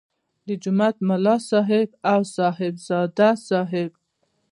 د جومات ملا صاحب او صاحبزاده صاحب.